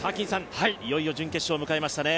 いよいよ準決勝を迎えましたね。